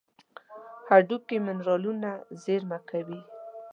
هډوکي منرالونه زیرمه کوي.